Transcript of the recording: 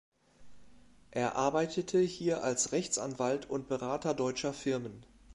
Er arbeitete hier als Rechtsanwalt und Berater deutscher Firmen.